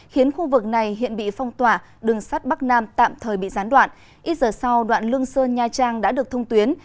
khiến khu vực này hiện bị phong tỏa đường sắt bắc nam tạm thời bị gián đoạn ít giờ sau đoạn lương sơn nha trang đã được thông tuyến